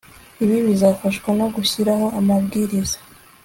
ibi bizafashwa no gushyiraho amabwiriza